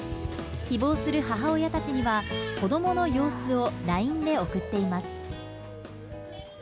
希望する母親たちには、子どもの様子をＬＩＮＥで送っています。